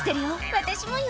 「私もよ」